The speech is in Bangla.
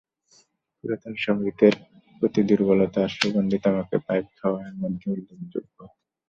পুরাতন সঙ্গীতের প্রতি দুর্বলতা আর সুগন্ধি তামাকের পাইপ খাওয়া এর মধ্যে উল্লেখযোগ্য।